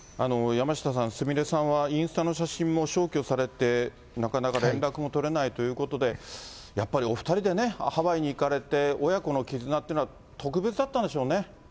山下さん、すみれさんはインスタの写真も消去されて、なかなか連絡も取れないということで、やっぱりお２人でね、ハワイに行かれて、親子の絆というのは特別だったんでしょうね。